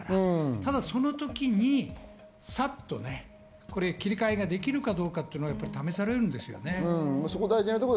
ただ、その時にさっと切り替えができるかどうかっていうのが試されるんですよね。